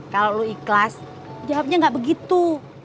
kalau lu ikhlas jawabnya enggak begitu